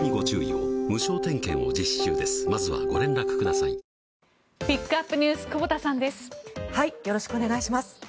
よろしくお願いします。